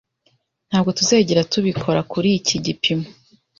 Ntabwo tuzigera tubikora kuriki gipimo.